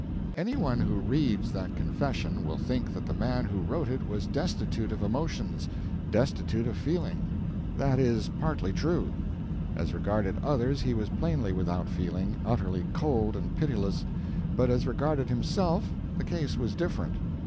Anyone who reads that confession will think that the man who wrote it was destitute of emotions, destitute of feeling. That is partly true. As regarded others he was plainly without feeling utterly cold and pitiless; but as regarded himself the case was different.